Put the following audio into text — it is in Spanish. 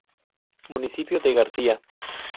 Municipio de García.